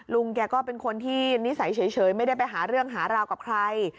ลุงแกก็เป็นคนที่นิสัยเฉยไม่ได้ไปหาเรื่องหาราวกับใคร